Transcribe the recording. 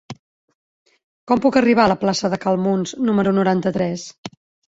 Com puc arribar a la plaça de Cal Muns número noranta-tres?